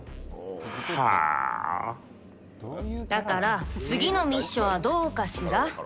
だから、次のミッションはどうかしら？